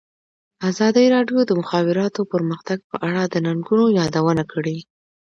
ازادي راډیو د د مخابراتو پرمختګ په اړه د ننګونو یادونه کړې.